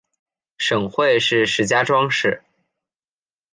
省会是石家庄市。